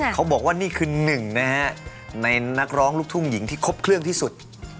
เขาบอกว่านี่คือหนึ่งนะฮะในนักร้องลูกทุ่งหญิงที่ครบเครื่องที่สุด